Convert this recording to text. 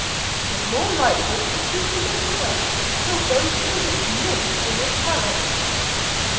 'Tis more likely, if he can get away, he'll go to visit Miss in the turret.'